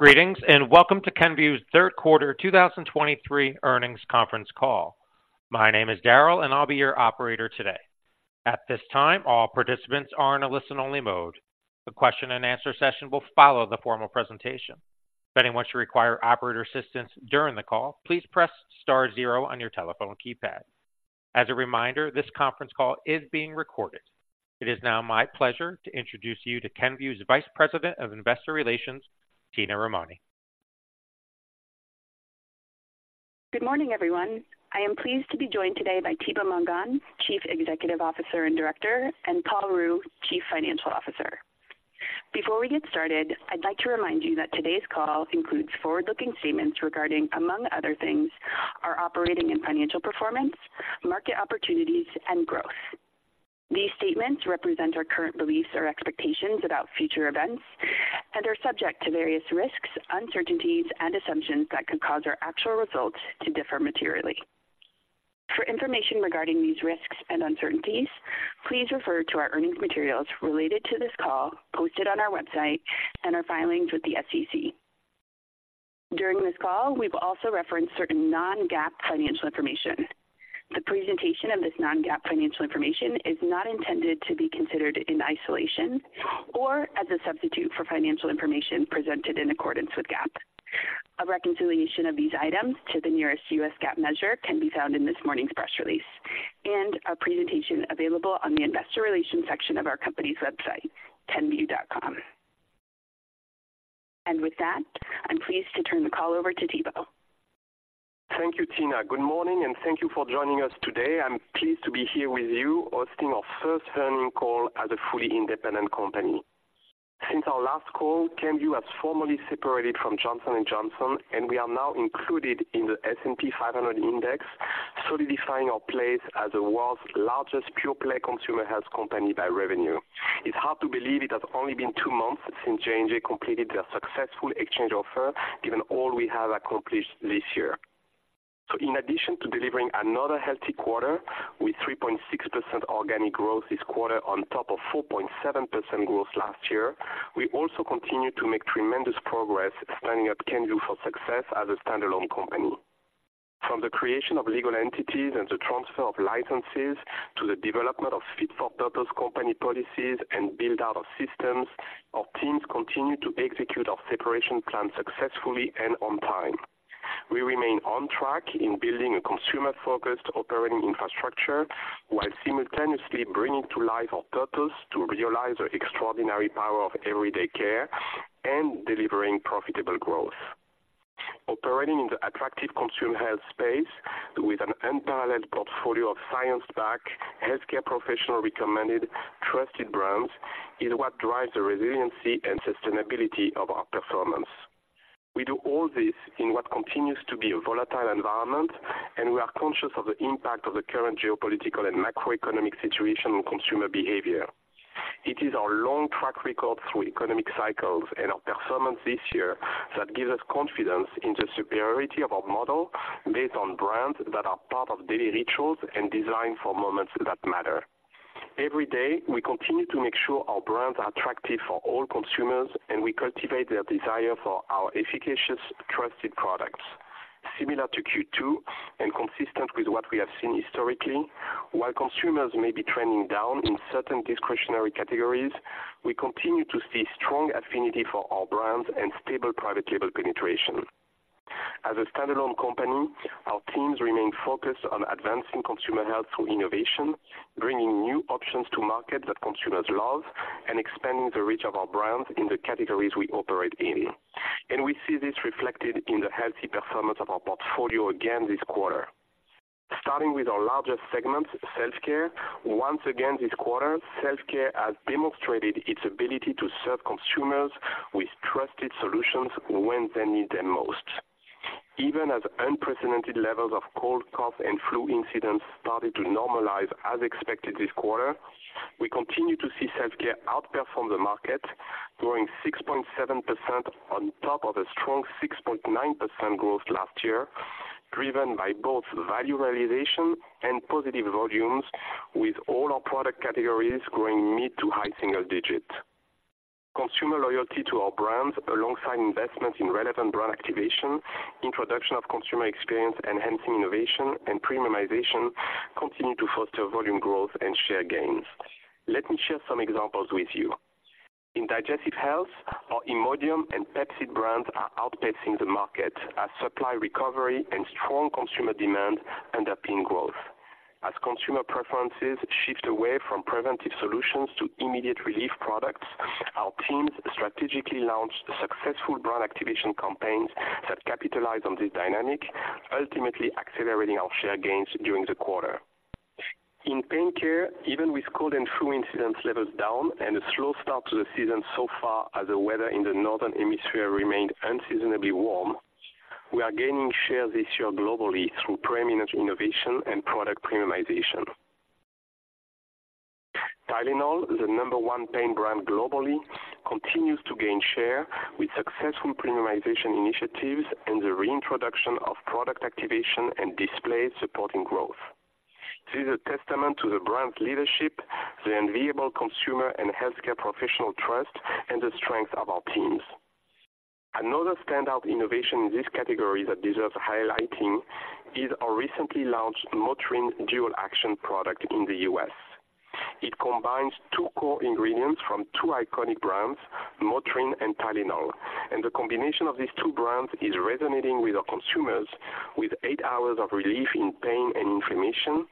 Greetings, and Welcome to Kenvue's Q3 2023 earnings conference call. My name is Daryl, and I'll be your operator today. At this time, all participants are in a listen-only mode. The question-and-answer session will follow the formal presentation. If anyone should require operator assistance during the call, please press star zero on your telephone keypad. As a reminder, this conference call is being recorded. It is now my pleasure to introduce you to Kenvue's Vice President of Investor Relations, Tina Romani. Good morning, everyone. I am pleased to be joined today by Thibaut Mongon, Chief Executive Officer and Director, and Paul Ruh, Chief Financial Officer. Before we get started, I'd like to remind you that today's call includes forward-looking statements regarding, among other things, our operating and financial performance, market opportunities, and growth. These statements represent our current beliefs or expectations about future events and are subject to various risks, uncertainties, and assumptions that could cause our actual results to differ materially. For information regarding these risks and uncertainties, please refer to our earnings materials related to this call posted on our website and our filings with the SEC. During this call, we will also reference certain non-GAAP financial information. The presentation of this non-GAAP financial information is not intended to be considered in isolation or as a substitute for financial information presented in accordance with GAAP. A reconciliation of these items to the nearest U.S. GAAP measure can be found in this morning's press release and our presentation available on the investor relations section of our company's website, Kenvue.com. With that, I'm pleased to turn the call over to Thibaut. Thank you, Tina. Good morning, and thank you for joining us today. I'm pleased to be here with you, hosting our 1st earnings call as a fully independent company. Since our last call, Kenvue has formally separated from Johnson & Johnson, and we are now included in the S&P 500 Index, solidifying our place as the world's largest pure-play consumer health company by revenue. It's hard to believe it has only been two months since J&J completed their successful exchange offer, given all we have accomplished this year. So in addition to delivering another healthy quarter with 3.6% organic growth this quarter on top of 4.7% growth last year, we also continue to make tremendous progress standing up Kenvue for success as a standalone company. From the creation of legal entities and the transfer of licenses to the development of fit-for-purpose company policies and build-out of systems, our teams continue to execute our separation plan successfully and on time. We remain on track in building a consumer-focused operating infrastructure while simultaneously bringing to life our purpose to realize the extraordinary power of everyday care and delivering profitable growth. Operating in the attractive consumer health space with an unparalleled portfolio of science-backed, healthcare professional-recommended, trusted brands is what drives the resiliency and sustainability of our performance. We do all this in what continues to be a volatile environment, and we are conscious of the impact of the current geopolitical and macroeconomic situation on consumer behavior. It is our long track record through economic cycles and our performance this year that gives us confidence in the superiority of our model, based on brands that are part of daily rituals and designed for moments that matter. Every day, we continue to make sure our brands are attractive for all consumers, and we cultivate their desire for our efficacious, trusted products. Similar to Q2 and consistent with what we have seen historically, while consumers may be trending down in certain discretionary categories, we continue to see strong affinity for our brands and stable private label penetration. As a standalone company, our teams remain focused on advancing consumer health through innovation, bringing new options to market that consumers love, and expanding the reach of our brands in the categories we operate in. We see this reflected in the healthy performance of our portfolio again this quarter. Starting with our largest segment, self-care. Once again this quarter, self-care has demonstrated its ability to serve consumers with trusted solutions when they need them most. Even as unprecedented levels of cold, cough, and flu incidents started to normalize as expected this quarter, we continue to see self-care outperform the market, growing 6.7% on top of a strong 6.9% growth last year, driven by both value realization and positive volumes, with all our product categories growing mid- to high-single-digit. Consumer loyalty to our brands, alongside investment in relevant brand activation, introduction of consumer experience, enhancing innovation and premiumization, continue to foster volume growth and share gains. Let me share some examples with you. In digestive health, our Imodium and Pepcid brands are outpacing the market as supply recovery and strong consumer demand end up in growth. As consumer preferences shift away from preventive solutions to immediate relief products, our teams strategically launched successful brand activation campaigns that capitalize on this dynamic, ultimately accelerating our share gains during the quarter. In pain care, even with cold and flu incidence levels down and a slow start to the season so far as the weather in the northern hemisphere remained unseasonably warm, we are gaining share this year globally through premium innovation and product premiumization. Tylenol, the number one pain brand globally, continues to gain share with successful premiumization initiatives and the reintroduction of product activation and display supporting growth. This is a testament to the brand's leadership, the enviable consumer and healthcare professional trust, and the strength of our teams. Another standout innovation in this category that deserves highlighting is our recently launched Motrin Dual Action product in the U.S. It combines two core ingredients from two iconic brands, Motrin and Tylenol, and the combination of these two brands is resonating with our consumers with eight hours of relief in pain and inflammation,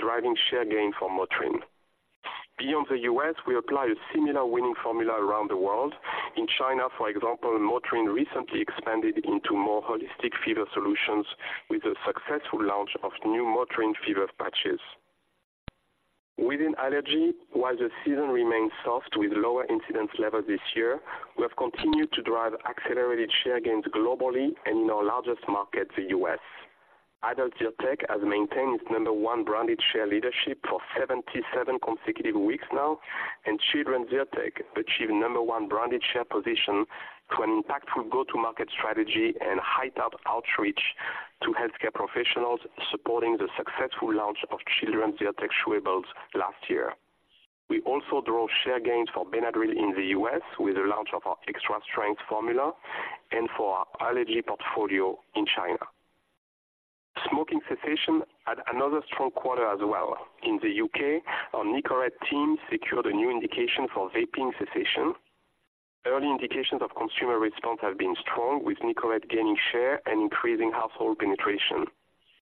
driving share gain for Motrin. Beyond the U.S., we apply a similar winning formula around the world. In China, for example, Motrin recently expanded into more holistic fever solutions with the successful launch of new Motrin fever patches. Within allergy, while the season remains soft with lower incidence levels this year, we have continued to drive accelerated share gains globally and in our largest market, the U.S. Adult Zyrtec has maintained its number one branded share leadership for 77 consecutive weeks now, and Children's Zyrtec achieved number one branded share position to an impactful go-to-market strategy and heightened outreach to healthcare professionals, supporting the successful launch of Children's Zyrtec chewables last year. We also drove share gains for Benadryl in the U.S. with the launch of our extra-strength formula and for our allergy portfolio in China. Smoking cessation had another strong quarter as well. In the U.K., our Nicorette team secured a new indication for vaping cessation. Early indications of consumer response have been strong, with Nicorette gaining share and increasing household penetration.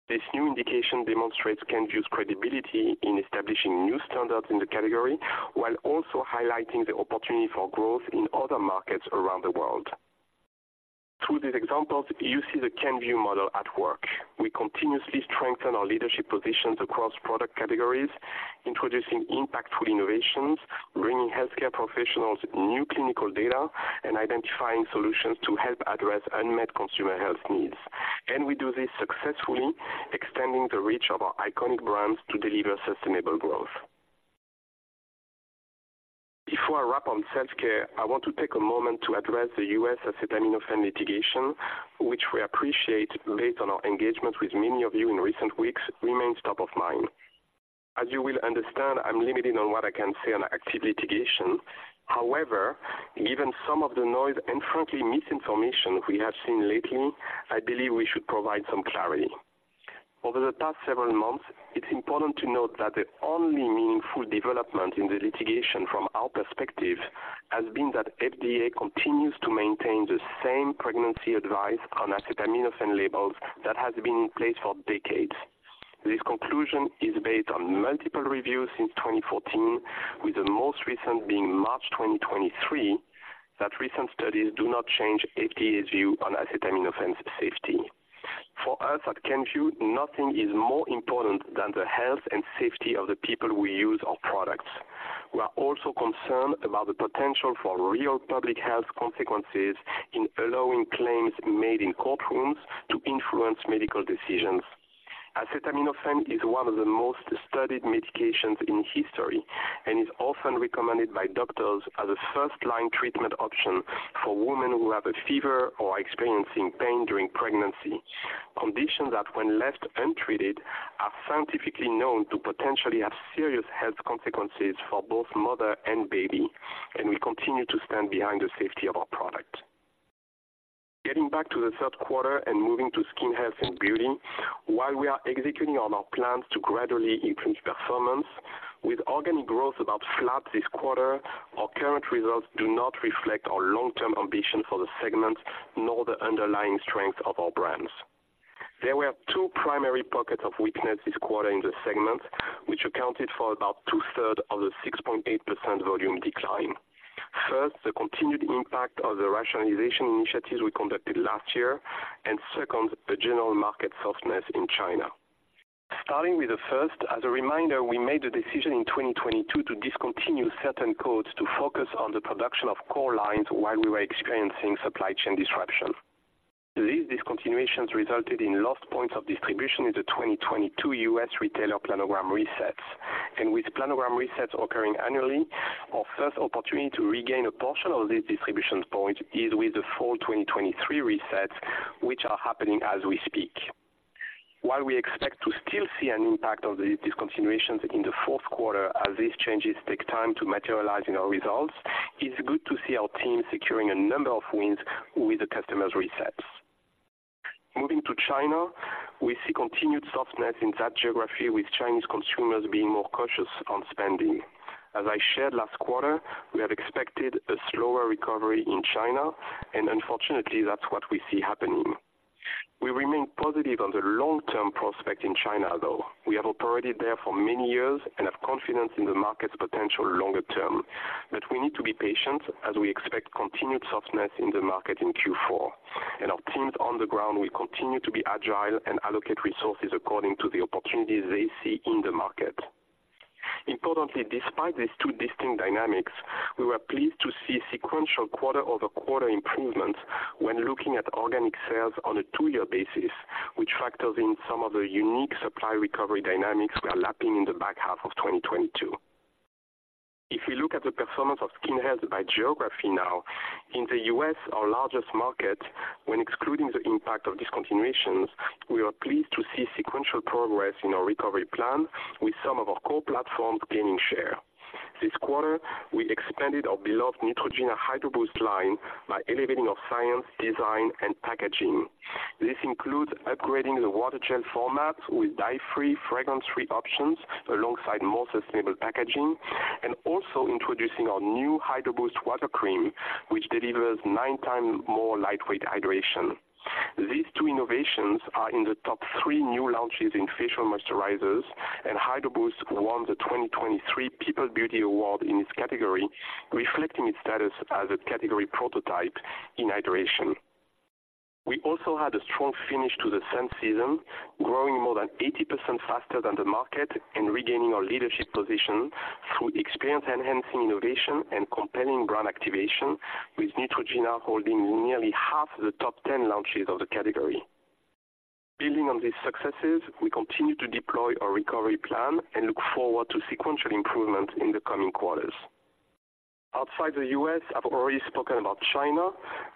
This new indication demonstrates Kenvue's credibility in establishing new standards in the category, while also highlighting the opportunity for growth in other markets around the world. Through these examples, you see the Kenvue model at work. We continuously strengthen our leadership positions across product categories, introducing impactful innovations, bringing healthcare professionals new clinical data, and identifying solutions to help address unmet consumer health needs. We do this successfully, extending the reach of our iconic brands to deliver sustainable growth. Before I wrap on self-care, I want to take a moment to address the U.S. acetaminophen litigation, which we appreciate, based on our engagement with many of you in recent weeks, remains top of mind. As you will understand, I'm limited on what I can say on active litigation. However, given some of the noise and frankly, misinformation we have seen lately, I believe we should provide some clarity. Over the past several months, it's important to note that the only meaningful development in the litigation from our perspective, has been that FDA continues to maintain the same pregnancy advice on acetaminophen labels that has been in place for decades. This conclusion is based on multiple reviews since 2014, with the most recent being March 2023, that recent studies do not change FDA's view on acetaminophen safety. For us at Kenvue, nothing is more important than the health and safety of the people who use our products. We are also concerned about the potential for real public health consequences in allowing claims made in courtrooms to influence medical decisions. Acetaminophen is one of the most studied medications in history and is often recommended by doctors as a 1st-line treatment option for women who have a fever or are experiencing pain during pregnancy, conditions that, when left untreated, are scientifically known to potentially have serious health consequences for both mother and baby. We continue to stand behind the safety of our product. Getting back to the Q3 and moving to skin health and beauty, while we are executing on our plans to gradually increase performance, with organic growth about flat this quarter, our current results do not reflect our long-term ambition for the segment, nor the underlying strength of our brands. There were two primary pockets of weakness this quarter in the segment, which accounted for about two-thirds of the 6.8% volume decline. 1st, the continued impact of the rationalization initiatives we conducted last year, and 2nd, the general market softness in China. Starting with the 1st, as a reminder, we made the decision in 2022 to discontinue certain codes to focus on the production of core lines while we were experiencing supply chain disruption. These discontinuations resulted in lost points of distribution in the 2022 U.S. retailer planogram resets. With planogram resets occurring annually, our 1st opportunity to regain a portion of these distribution points is with the fall 2023 resets, which are happening as we speak. While we expect to still see an impact of these discontinuations in the Q4, as these changes take time to materialize in our results, it's good to see our team securing a number of wins with the customers' resets. Moving to China, we see continued softness in that geography, with Chinese consumers being more cautious on spending. As I shared last quarter, we had expected a slower recovery in China, and unfortunately, that's what we see happening. We remain positive on the long-term prospect in China, though. We have operated there for many years and have confidence in the market's potential longer term. But we need to be patient as we expect continued softness in the market in Q4, and our teams on the ground will continue to be agile and allocate resources according to the opportunities they see in the market. Importantly, despite these two distinct dynamics, we were pleased to see sequential quarter-over-quarter improvements when looking at organic sales on a two-year basis, which factors in some of the unique supply recovery dynamics we are lapping in the back half of 2022. Look at the performance of Skin Health by geography now. In the U.S., our largest market, when excluding the impact of discontinuations, we are pleased to see sequential progress in our recovery plan, with some of our core platforms gaining share. This quarter, we expanded our beloved Neutrogena Hydro Boost line by elevating our science, design, and packaging. This includes upgrading the water gel format with dye-free, fragrance-free options, alongside more sustainable packaging, and also introducing our new Hydro Boost Water Cream, which delivers 9 times more lightweight hydration. These two innovations are in the top three new launches in facial moisturizers, and Hydro Boost won the 2023 People's Beauty Award in its category, reflecting its status as a category prototype in hydration. We also had a strong finish to the sun season, growing more than 80% faster than the market and regaining our leadership position through experience-enhancing innovation and compelling brand activation, with Neutrogena holding nearly half the top 10 launches of the category. Building on these successes, we continue to deploy our recovery plan and look forward to sequential improvement in the coming quarters. Outside the U.S., I've already spoken about China,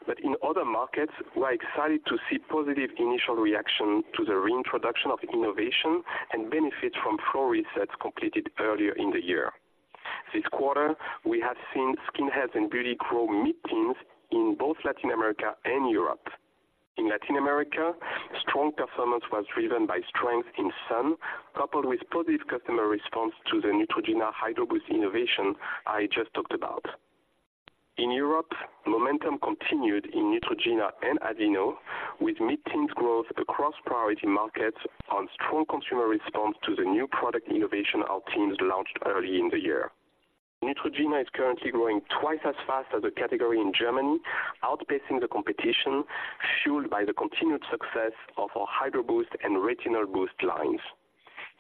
but in other markets, we're excited to see positive initial reaction to the reintroduction of innovation and benefit from flow resets completed earlier in the year. This quarter, we have seen skin health and beauty grow mid-teens in both Latin America and Europe. In Latin America, strong performance was driven by strength in sun, coupled with positive customer response to the Neutrogena Hydro Boost innovation I just talked about. In Europe, momentum continued in Neutrogena and Aveeno, with mid-teens growth across priority markets on strong consumer response to the new product innovation our teams launched early in the year. Neutrogena is currently growing twice as fast as the category in Germany, outpacing the competition, fueled by the continued success of our Hydro Boost and Retinol Boost lines.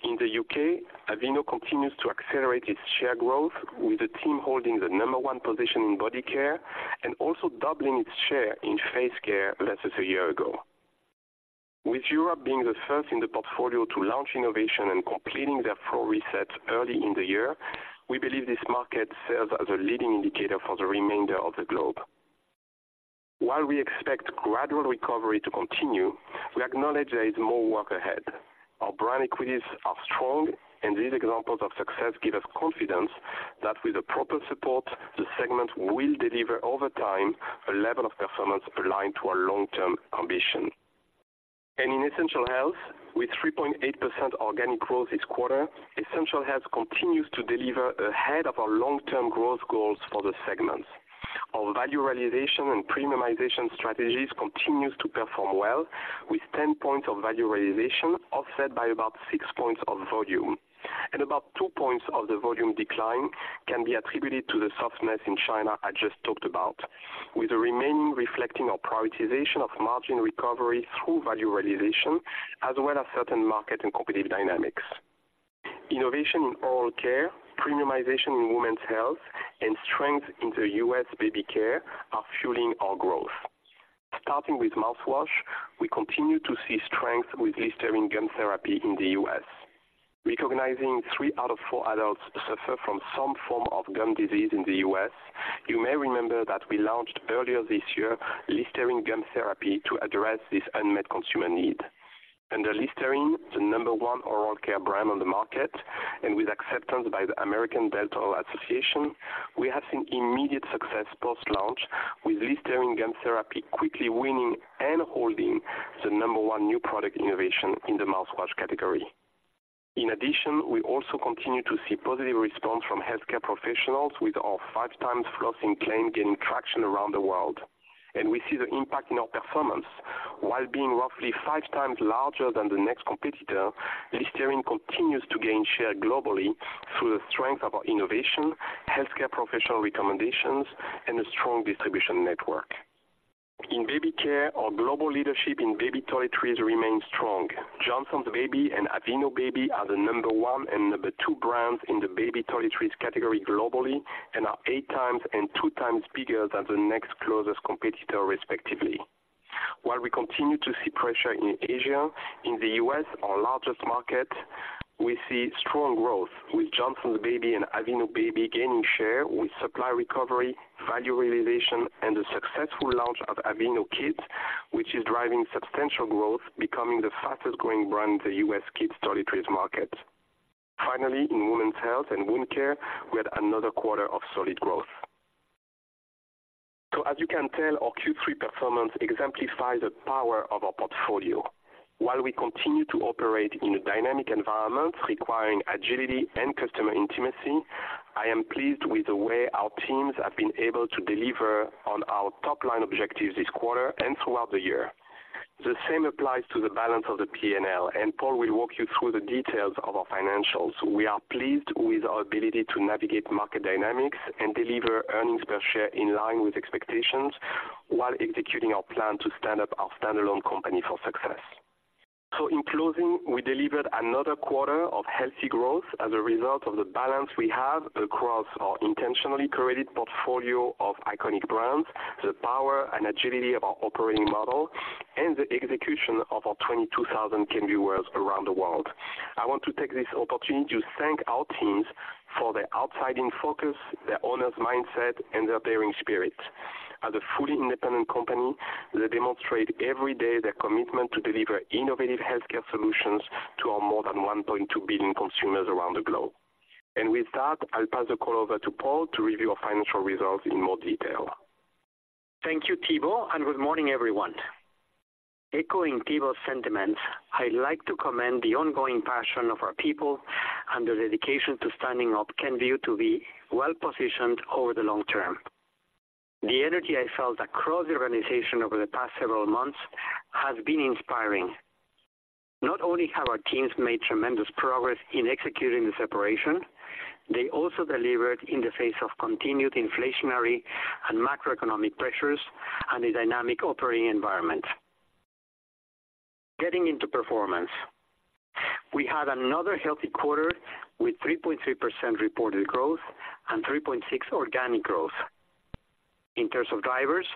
In the U.K., Aveeno continues to accelerate its share growth, with the team holding the number one position in body care and also doubling its share in face care versus a year ago. With Europe being the 1st in the portfolio to launch innovation and completing their planogram reset early in the year, we believe this market serves as a leading indicator for the remainder of the globe. While we expect gradual recovery to continue, we acknowledge there is more work ahead. Our brand equities are strong, and these examples of success give us confidence that with the proper support, the segment will deliver over time a level of performance aligned to our long-term ambition. In Essential Health, with 3.8% organic growth this quarter, Essential Health continues to deliver ahead of our long-term growth goals for the segment. Our value realization and premiumization strategies continues to perform well, with 10 points of value realization, offset by about six points of volume. About two points of the volume decline can be attributed to the softness in China I just talked about, with the remaining reflecting our prioritization of margin recovery through value realization, as well as certain market and competitive dynamics. Innovation in oral care, premiumization in women's health, and strength in the U.S. baby care are fueling our growth. Starting with mouthwash, we continue to see strength with Listerine Gum Therapy in the U.S. Recognizing 3 out of 4 adults suffer from some form of gum disease in the U.S., you may remember that we launched earlier this year, Listerine Gum Therapy, to address this unmet consumer need. Under Listerine, the number one oral care brand on the market, and with acceptance by the American Dental Association, we have seen immediate success post-launch, with Listerine Gum Therapy quickly winning and holding the number one new product innovation in the mouthwash category. In addition, we also continue to see positive response from healthcare professionals with our 5 times flossing claim gaining traction around the world, and we see the impact in our performance. While being roughly 5 times larger than the next competitor, Listerine continues to gain share globally through the strength of our innovation, healthcare professional recommendations, and a strong distribution network. In baby care, our global leadership in baby toiletries remains strong. Johnson's Baby and Aveeno Baby are the number one and number two brands in the baby toiletries category globally and are 8 times and 2 times bigger than the next closest competitor, respectively. While we continue to see pressure in Asia, in the U.S., our largest market, we see strong growth, with Johnson's Baby and Aveeno Baby gaining share with supply recovery, value realization, and the successful launch of Aveeno Kids, which is driving substantial growth, becoming the fastest growing brand in the U.S. kids' toiletries market. Finally, in women's health and wound care, we had another quarter of solid growth. So as you can tell, our Q3 performance exemplifies the power of our portfolio. While we continue to operate in a dynamic environment requiring agility and customer intimacy, I am pleased with the way our teams have been able to deliver on our top-line objectives this quarter and throughout the year. The same applies to the balance of the P&L, and Paul will walk you through the details of our financials. We are pleased with our ability to navigate market dynamics and deliver earnings per share in line with expectations, while executing our plan to stand up our standalone company for success. So in closing, we delivered another quarter of healthy growth as a result of the balance we have across our intentionally curated portfolio of iconic brands, the power and agility of our operating model, and the execution of our 22,000 KMB worlds around the world. I want to take this opportunity to thank our teams for their outside-in focus, their owner's mindset, and their daring spirit... As a fully independent company, they demonstrate every day their commitment to deliver innovative healthcare solutions to our more than 1.2 billion consumers around the globe. And with that, I'll pass the call over to Paul to review our financial results in more detail. Thank you, Thibaut, and good morning, everyone. Echoing Thibaut's sentiments, I'd like to commend the ongoing passion of our people and their dedication to standing up Kenvue to be well-positioned over the long term. The energy I felt across the organization over the past several months has been inspiring. Not only have our teams made tremendous progress in executing the separation, they also delivered in the face of continued inflationary and macroeconomic pressures and a dynamic operating environment. Getting into performance, we had another healthy quarter with 3.3% reported growth and 3.6% organic growth. In terms of drivers,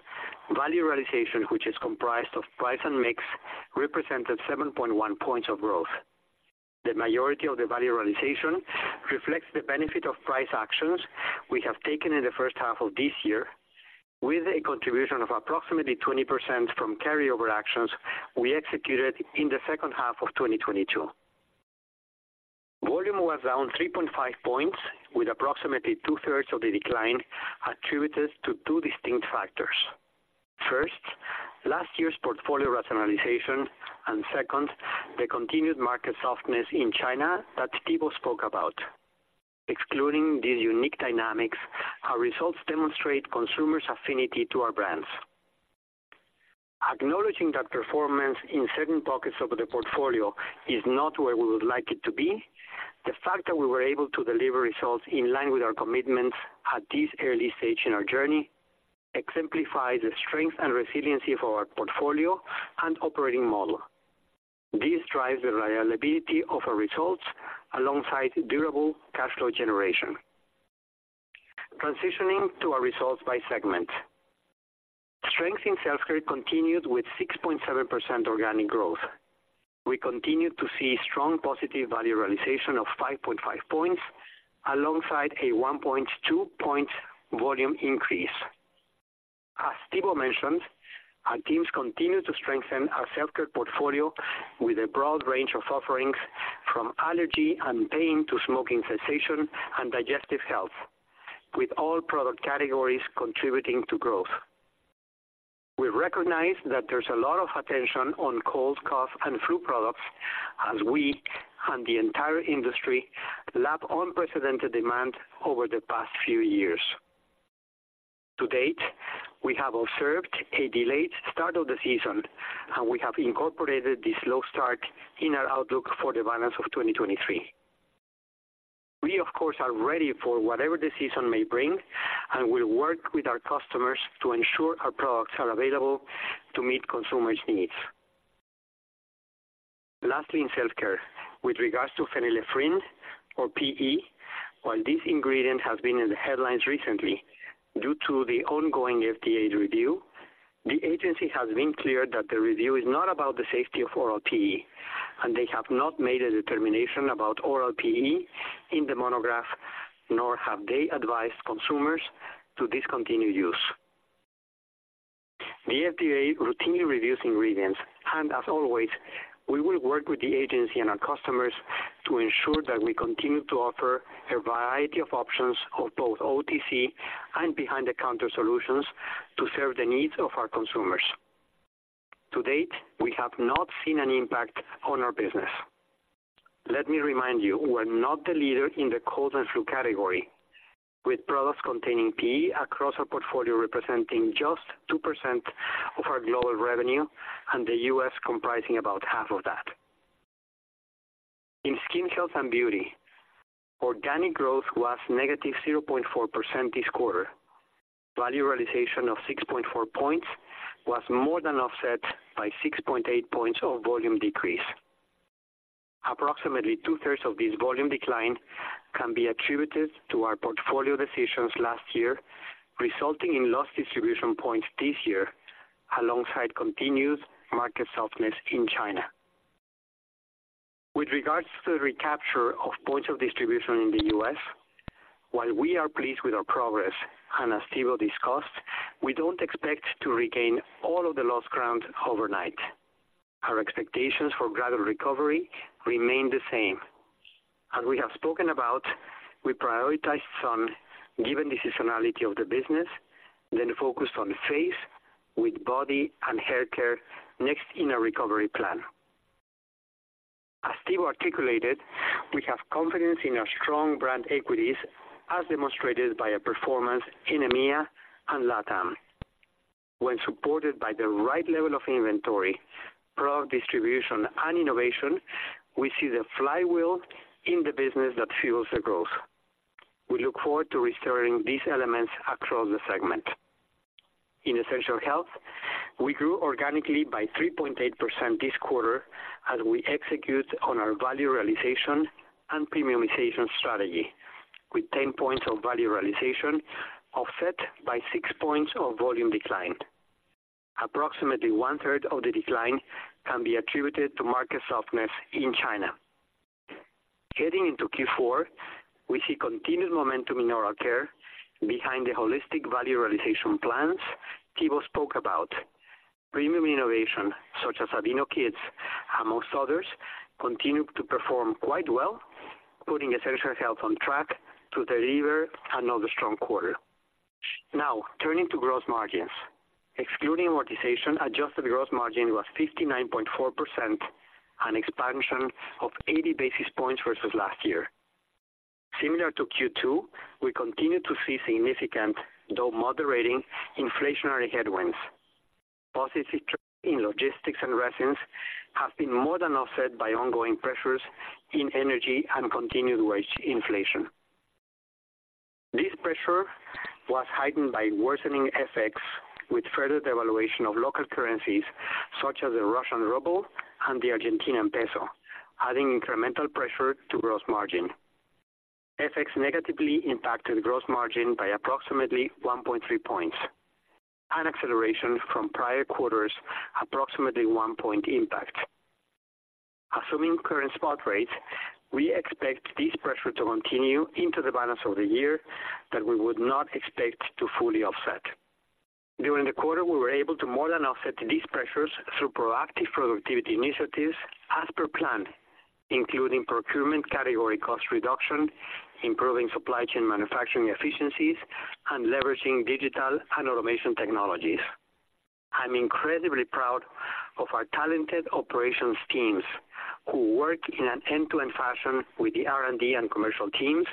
value realization, which is comprised of price and mix, represented 7.1 points of growth. The majority of the value realization reflects the benefit of price actions we have taken in the 1st half of this year, with a contribution of approximately 20% from carryover actions we executed in the 2nd half of 2022. Volume was down 3.5 points, with approximately 2/3 of the decline attributed to two distinct factors. 1st, last year's portfolio rationalization, and 2nd, the continued market softness in China that Thibaut spoke about. Excluding these unique dynamics, our results demonstrate consumers' affinity to our brands. Acknowledging that performance in certain pockets of the portfolio is not where we would like it to be, the fact that we were able to deliver results in line with our commitments at this early stage in our journey exemplifies the strength and resiliency of our portfolio and operating model. This drives the reliability of our results alongside durable cash flow generation. Transitioning to our results by segment. Strength in self-care continued with 6.7% organic growth. We continued to see strong positive value realization of 5.5 points, alongside a 1.2-point volume increase. As Thibaut mentioned, our teams continue to strengthen our self-care portfolio with a broad range of offerings from allergy and pain to smoking cessation and digestive health, with all product categories contributing to growth. We recognize that there's a lot of attention on cold, cough, and flu products as we and the entire industry lap unprecedented demand over the past few years. To date, we have observed a delayed start of the season, and we have incorporated this slow start in our outlook for the balance of 2023. We, of course, are ready for whatever the season may bring and will work with our customers to ensure our products are available to meet consumers' needs. Lastly, in self-care, with regards to Phenylephrine, or PE, while this ingredient has been in the headlines recently due to the ongoing FDA review, the agency has been clear that the review is not about the safety of oral PE, and they have not made a determination about oral PE in the monograph, nor have they advised consumers to discontinue use. The FDA routinely reviews ingredients, and as always, we will work with the agency and our customers to ensure that we continue to offer a variety of options of both OTC and behind-the-counter solutions to serve the needs of our consumers. To date, we have not seen an impact on our business. Let me remind you, we're not the leader in the cold and flu category, with products containing PE across our portfolio representing just 2% of our global revenue, and the U.S. comprising about half of that. In skin health and beauty, organic growth was negative 0.4% this quarter. Value realization of 6.4 points was more than offset by 6.8 points of volume decrease. Approximately two-thirds of this volume decline can be attributed to our portfolio decisions last year, resulting in lost distribution points this year, alongside continued market softness in China. With regards to the recapture of points of distribution in the U.S., while we are pleased with our progress, and as Thibaut discussed, we don't expect to regain all of the lost ground overnight. Our expectations for gradual recovery remain the same. As we have spoken about, we prioritize sun, given the seasonality of the business, then focus on face, with body and hair care next in our recovery plan. As Thibaut articulated, we have confidence in our strong brand equities, as demonstrated by a performance in EMEA and LATAM. When supported by the right level of inventory, product distribution, and innovation, we see the flywheel in the business that fuels the growth. We look forward to restoring these elements across the segment. In essential health, we grew organically by 3.8% this quarter as we execute on our value realization and premiumization strategy, with 10 points of value realization offset by 6 points of volume decline. Approximately 1/3 of the decline can be attributed to market softness in China... Heading into Q4, we see continued momentum in oral care behind the holistic value realization plans Thibaut spoke about. Premium innovation, such as Aveeno Kids, among others, continue to perform quite well, putting Essential Health on track to deliver another strong quarter. Now, turning to gross margins. Excluding amortization, adjusted gross margin was 59.4%, an expansion of 80 basis points versus last year. Similar to Q2, we continue to see significant, though moderating, inflationary headwinds. Positive trends in logistics and resins have been more than offset by ongoing pressures in energy and continued wage inflation. This pressure was heightened by worsening FX, with further devaluation of local currencies such as the Russian ruble and the Argentine peso, adding incremental pressure to gross margin. FX negatively impacted gross margin by approximately 1.3 points, an acceleration from prior quarters, approximately 1 point impact. Assuming current spot rates, we expect this pressure to continue into the balance of the year, that we would not expect to fully offset. During the quarter, we were able to more than offset these pressures through proactive productivity initiatives as per plan, including procurement category cost reduction, improving supply chain manufacturing efficiencies, and leveraging digital and automation technologies. I'm incredibly proud of our talented operations teams, who work in an end-to-end fashion with the R&D and commercial teams,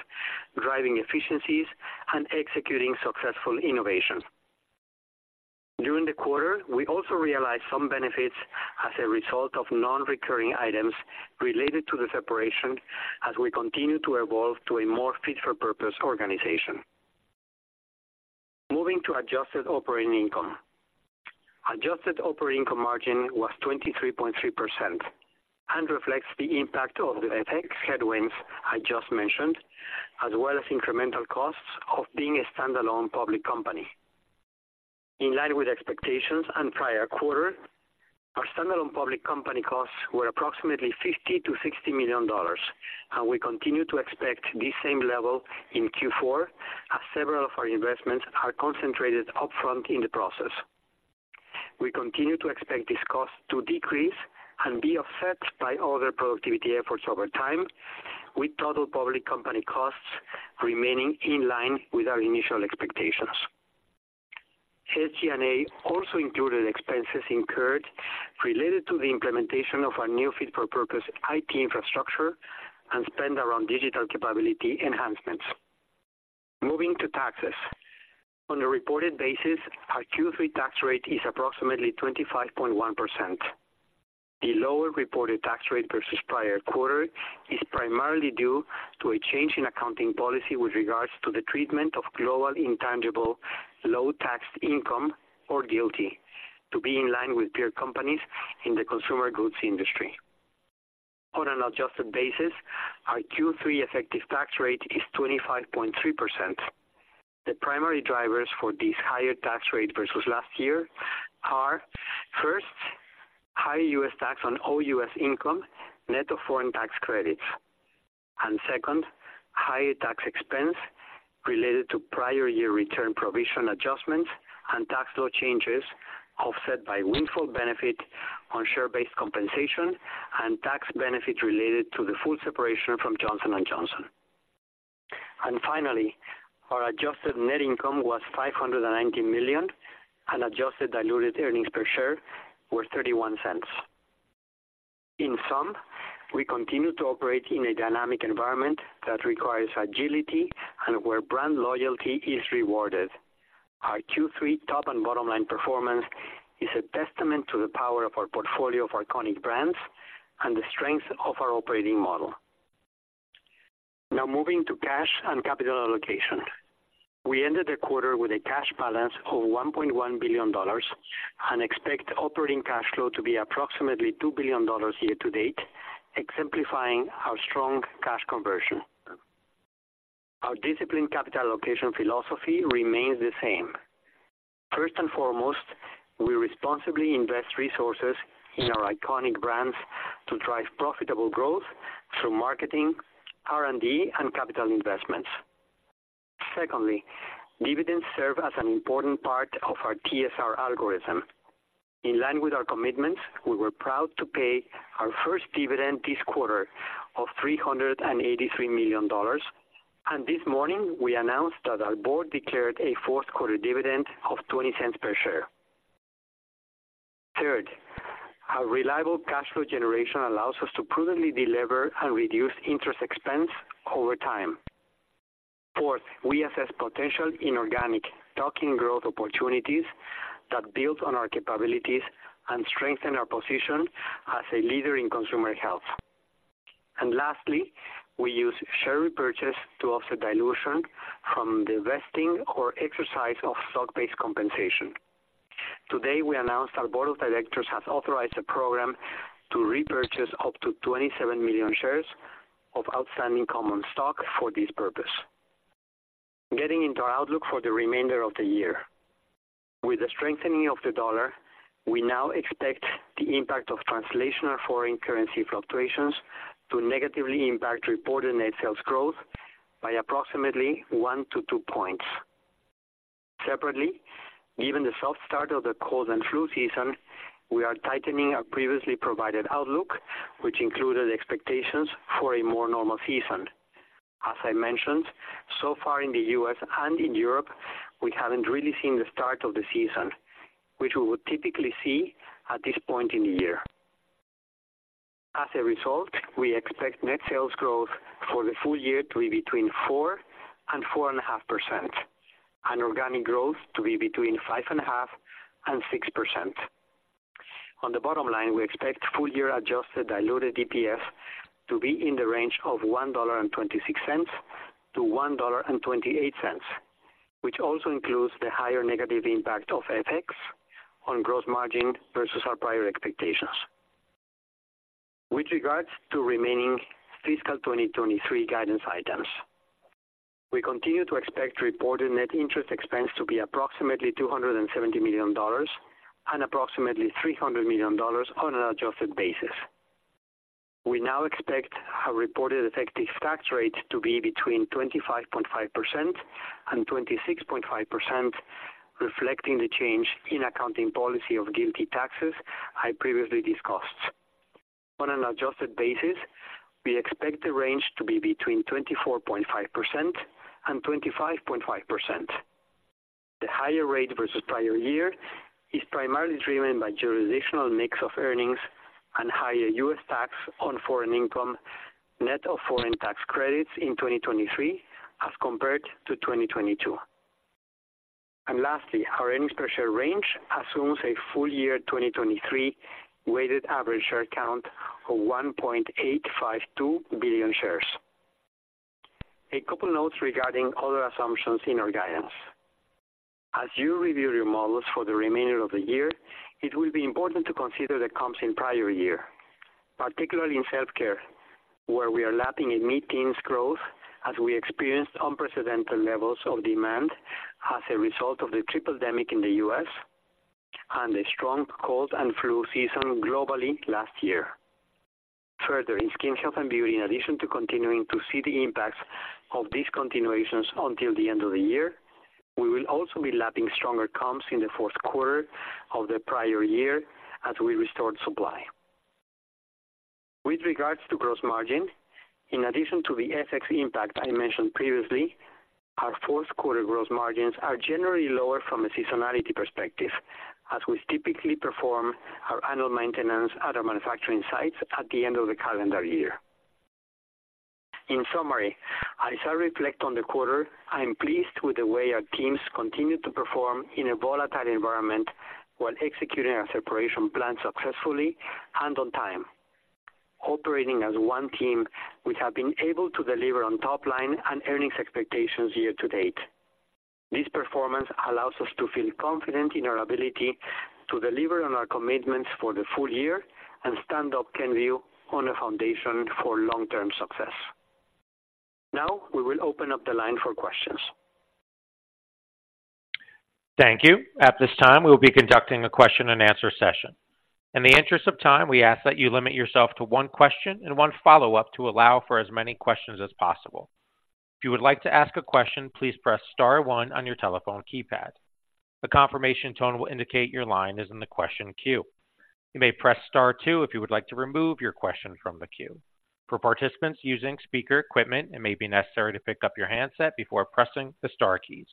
driving efficiencies and executing successful innovation. During the quarter, we also realized some benefits as a result of nonrecurring items related to the separation as we continue to evolve to a more fit-for-purpose organization. Moving to adjusted operating income. Adjusted operating income margin was 23.3% and reflects the impact of the FX headwinds I just mentioned, as well as incremental costs of being a standalone public company. In line with expectations and prior quarter, our standalone public company costs were approximately $50-$60 million, and we continue to expect this same level in Q4, as several of our investments are concentrated upfront in the process. We continue to expect this cost to decrease and be offset by other productivity efforts over time, with total public company costs remaining in line with our initial expectations. SG&A also included expenses incurred related to the implementation of our new fit-for-purpose IT infrastructure and spend around digital capability enhancements. Moving to taxes. On a reported basis, our Q3 tax rate is approximately 25.1%. The lower reported tax rate versus prior quarter is primarily due to a change in accounting policy with regards to the treatment of Global Intangible Low-Taxed Income, or GILTI, to be in line with peer companies in the consumer goods industry. On an adjusted basis, our Q3 effective tax rate is 25.3%. The primary drivers for this higher tax rate versus last year are, 1st, higher U.S. tax on all U.S. income net of foreign tax credits, and 2nd, higher tax expense related to prior year return provision adjustments and tax law changes, offset by windfall benefit on share-based compensation and tax benefits related to the full separation from Johnson & Johnson. And finally, our adjusted net income was $590 million, and adjusted diluted earnings per share were $0.31. In sum, we continue to operate in a dynamic environment that requires agility and where brand loyalty is rewarded. Our Q3 top and bottom line performance is a testament to the power of our portfolio of iconic brands and the strength of our operating model. Now moving to cash and capital allocation. We ended the quarter with a cash balance of $1.1 billion and expect operating cash flow to be approximately $2 billion year to date, exemplifying our strong cash conversion. Our disciplined capital allocation philosophy remains the same. 1st and foremost, we responsibly invest resources in our iconic brands to drive profitable growth through marketing, R&D, and capital investments. 2ndly, dividends serve as an important part of our TSR algorithm. In line with our commitments, we were proud to pay our 1st dividend this quarter of $383 million, and this morning we announced that our board declared a Q4 dividend of $0.20 per share. 3rd, our reliable cash flow generation allows us to prudently delever and reduce interest expense over time. 4th, we assess potential inorganic tuck-in growth opportunities that build on our capabilities and strengthen our position as a leader in consumer health. Lastly, we use share repurchase to offset dilution from the vesting or exercise of stock-based compensation. Today, we announced our board of directors has authorized a program to repurchase up to 27 million shares of outstanding common stock for this purpose. Getting into our outlook for the remainder of the year. With the strengthening of the dollar, we now expect the impact of translational foreign currency fluctuations to negatively impact reported net sales growth by approximately 1-2 points. Separately, given the soft start of the cold and flu season, we are tightening our previously provided outlook, which included expectations for a more normal season. As I mentioned, so far in the US and in Europe, we haven't really seen the start of the season, which we would typically see at this point in the year. As a result, we expect net sales growth for the full year to be between 4% and 4.5%, and organic growth to be between 5.5% and 6%. On the bottom line, we expect full year Adjusted Diluted EPS to be in the range of $1.26 to $1.28, which also includes the higher negative impact of FX on gross margin versus our prior expectations. With regards to remaining fiscal 2023 guidance items, we continue to expect reported net interest expense to be approximately $270 million and approximately $300 million on an adjusted basis. We now expect our reported effective tax rate to be between 25.5%-26.5%, reflecting the change in accounting policy of GILTI taxes I previously discussed. On an adjusted basis, we expect the range to be between 24.5%-25.5%. The higher rate versus prior year is primarily driven by jurisdictional mix of earnings and higher U.S. tax on foreign income, net of foreign tax credits in 2023 as compared to 2022. And lastly, our earnings per share range assumes a full year 2023 weighted average share count of 1.852 billion shares. A couple notes regarding other assumptions in our guidance. As you review your models for the remainder of the year, it will be important to consider the comps in prior year, particularly in self-care, where we are lapping a mid-teens growth as we experienced unprecedented levels of demand as a result of the tripledemic in the U.S. and a strong cold and flu season globally last year. Further, in skin health and beauty, in addition to continuing to see the impacts of discontinuations until the end of the year, we will also be lapping stronger comps in the Q4 of the prior year as we restore supply. With regards to gross margin, in addition to the FX impact I mentioned previously, our Q4 gross margins are generally lower from a seasonality perspective, as we typically perform our annual maintenance at our manufacturing sites at the end of the calendar year. In summary, as I reflect on the quarter, I am pleased with the way our teams continued to perform in a volatile environment while executing our separation plan successfully and on time. Operating as one team, we have been able to deliver on top line and earnings expectations year to date. This performance allows us to feel confident in our ability to deliver on our commitments for the full year and stand up Kenvue on a foundation for long-term success. Now we will open up the line for questions. Thank you. At this time, we will be conducting a question and answer session. In the interest of time, we ask that you limit yourself to one question and one follow-up to allow for as many questions as possible. If you would like to ask a question, please press star one on your telephone keypad. The confirmation tone will indicate your line is in the question queue. You may press star two if you would like to remove your question from the queue. For participants using speaker equipment, it may be necessary to pick up your handset before pressing the star keys.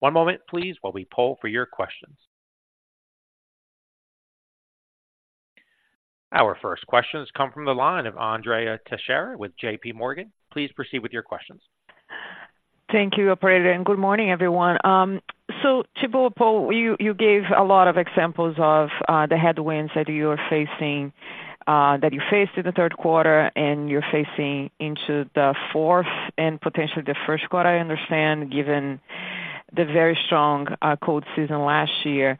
One moment please, while we poll for your questions. Our 1st questions come from the line of Andrea Teixeira with J.P. Morgan. Please proceed with your questions. Thank you, operator, and good morning, everyone. So Thibaut, you gave a lot of examples of the headwinds that you are facing that you faced in the Q3 and you're facing into the 4th and potentially the Q1, I understand, given the very strong cold season last year.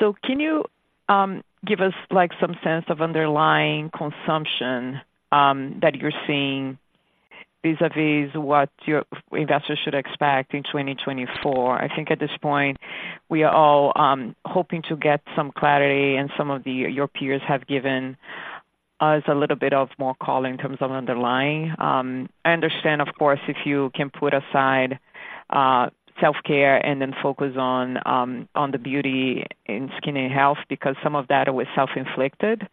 So can you give us, like, some sense of underlying consumption that you're seeing vis-a-vis what your investors should expect in 2024? I think at this point, we are all hoping to get some clarity, and some of your peers have given us a little bit more color in terms of underlying. I understand, of course, if you can put aside self-care and then focus on the beauty and skin and health, because some of that was self-inflicted.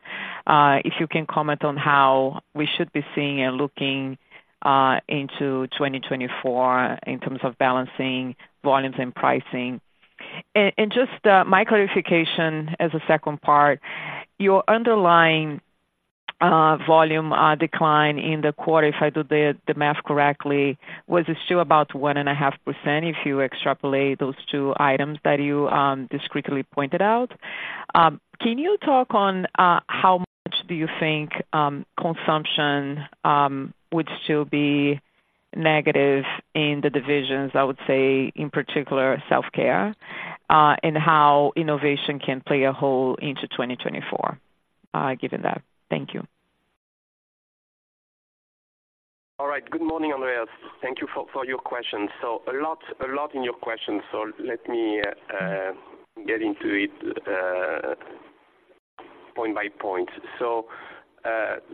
If you can comment on how we should be seeing and looking into 2024 in terms of balancing volumes and pricing. And just my clarification as a 2nd part, your underlying volume decline in the quarter, if I do the math correctly, was still about 1.5%, if you extrapolate those two items that you discretely pointed out. Can you talk on how much do you think consumption would still be negative in the divisions, I would say in particular, self-care, and how innovation can play a role into 2024, given that? Thank you.... All right. Good morning, Andrea. Thank you for, for your question. So a lot, a lot in your question, so let me get into it point by point. So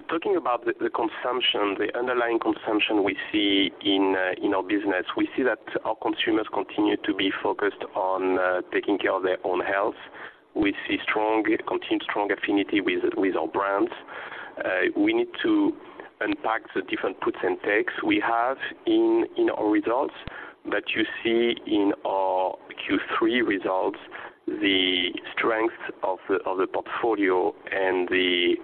talking about the, the consumption, the underlying consumption we see in our business, we see that our consumers continue to be focused on taking care of their own health. We see strong, continued strong affinity with our brands. We need to unpack the different puts and takes we have in our results, but you see in our Q3 results, the strength of the portfolio and the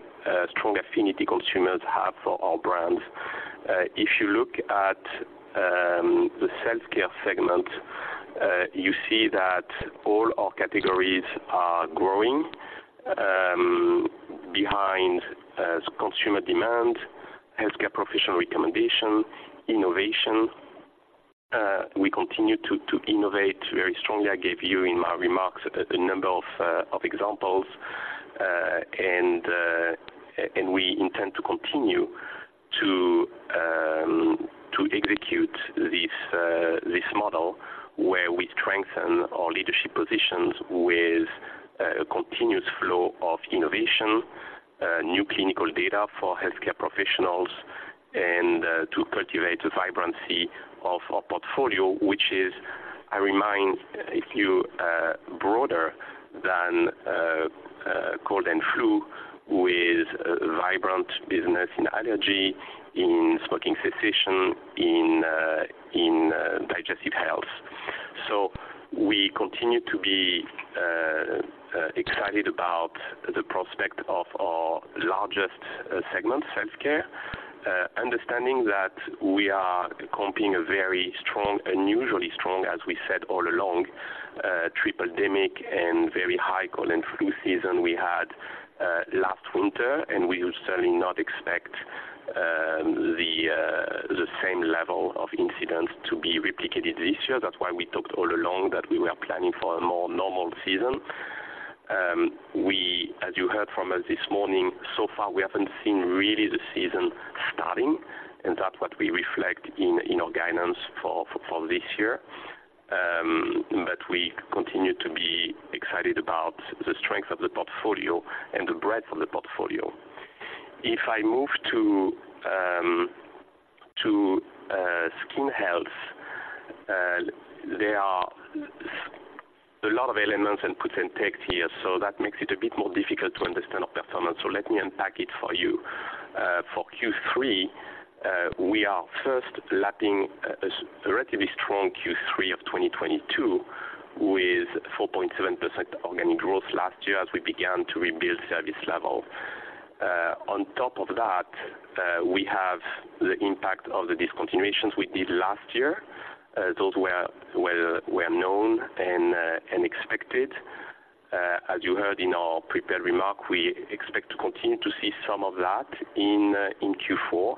strong affinity consumers have for our brands. If you look at the self-care segment, you see that all our categories are growing behind consumer demand, healthcare professional recommendation, innovation. We continue to innovate very strongly. I gave you, in my remarks, a number of examples. And we intend to continue to execute this model, where we strengthen our leadership positions with a continuous flow of innovation, new clinical data for healthcare professionals, and to cultivate the vibrancy of our portfolio, which is, I remind a few, broader than cold and flu, with vibrant business in allergy, in smoking cessation, in digestive health. So we continue to be excited about the prospect of our largest segment, Self Care, understanding that we are competing a very strong, unusually strong, as we said all along, tripledemic and very high cold and flu season we had last winter, and we would certainly not expect the same level of incidents to be replicated this year. That's why we talked all along that we were planning for a more normal season. We, as you heard from us this morning, so far, we haven't seen really the season starting, and that's what we reflect in our guidance for this year. But we continue to be excited about the strength of the portfolio and the breadth of the portfolio. If I move to skin health, there are a lot of elements and puts and takes here, so that makes it a bit more difficult to understand our performance. So let me unpack it for you. For Q3, we are 1st lapping a relatively strong Q3 of 2022, with 4.7% organic growth last year as we began to rebuild service level. On top of that, we have the impact of the discontinuations we did last year. Those were known and expected. As you heard in our prepared remark, we expect to continue to see some of that in Q4,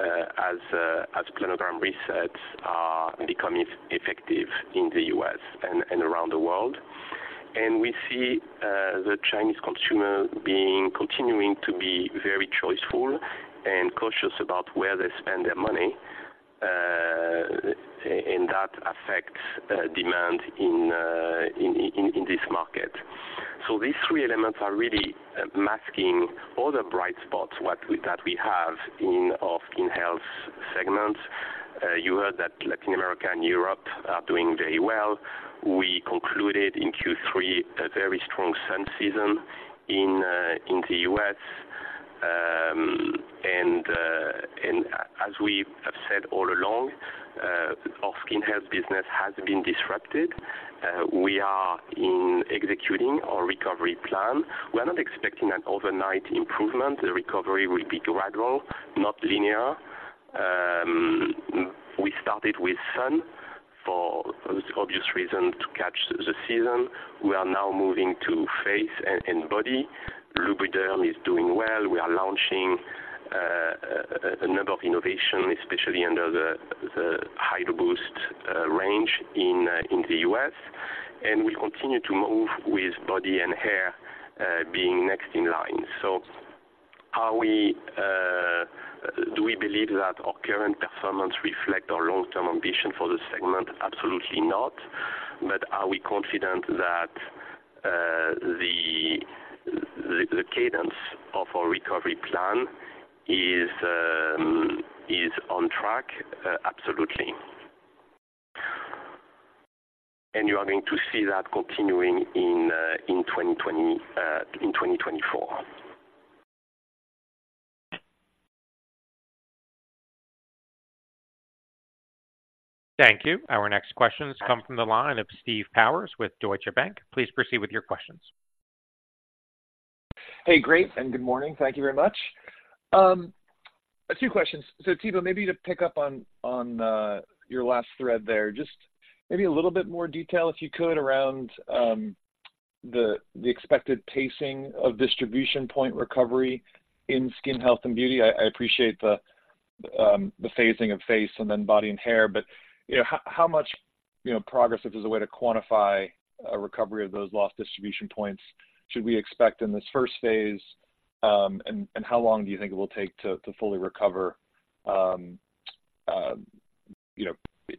as planogram resets are becoming effective in the U.S. and around the world. We see the Chinese consumer being continuing to be very choiceful and cautious about where they spend their money, and that affects demand in this market. So these three elements are really masking all the bright spots that we have in our skin health segment. You heard that Latin America and Europe are doing very well. We concluded in Q3 a very strong sun season in the US. And as we have said all along, our skin health business has been disrupted. We are executing our recovery plan. We're not expecting an overnight improvement. The recovery will be gradual, not linear. We started with sun, for obvious reason, to catch the season. We are now moving to face and body. Lubriderm is doing well. We are launching a number of innovation, especially under the Hydro Boost range in the US. And we continue to move with body and hair being next in line. Do we believe that our current performance reflect our long-term ambition for this segment? Absolutely not. But are we confident that the cadence of our recovery plan is on track? Absolutely. And you are going to see that continuing in 2024. Thank you. Our next questions come from the line of Steve Powers with Deutsche Bank. Please proceed with your questions. Hey, great, and good morning. Thank you very much. A few questions. So Thibaut, maybe to pick up on your last thread there, just maybe a little bit more detail, if you could, around the expected pacing of distribution point recovery in skin health and beauty. I appreciate the phasing of face and then body and hair, but, you know, how much-... you know, progress, if there's a way to quantify a recovery of those lost distribution points, should we expect in this 1st phase, and how long do you think it will take to fully recover, you know,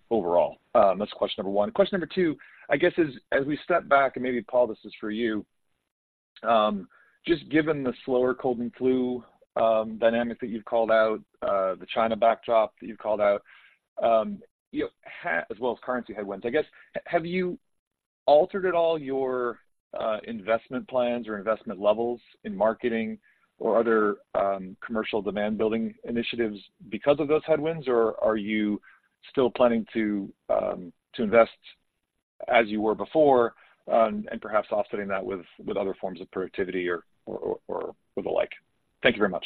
overall? That's question number one. Question number two, I guess is, as we step back, and maybe Paul, this is for you, just given the slower cold and flu dynamic that you've called out, the China backdrop that you've called out, as well as currency headwinds, I guess, have you altered at all your investment plans or investment levels in marketing or other commercial demand building initiatives because of those headwinds? Or are you still planning to invest as you were before, and perhaps offsetting that with other forms of productivity or with the like? Thank you very much.